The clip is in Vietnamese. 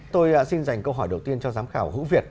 tôi xin dành câu hỏi đầu tiên cho giám khảo hữu việt